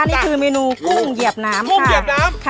นี่คือเมนูกุ้งเหยียบน้ำค่ะ